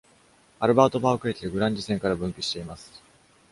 アルバート・パーク駅でグランジ線から分岐しています。